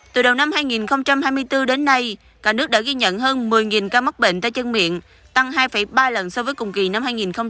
từ đầu năm hai nghìn hai mươi bốn đến nay cả nước đã ghi nhận hơn một mươi ca mắc bệnh tay chân miệng tăng hai ba lần so với cùng kỳ năm hai nghìn hai mươi hai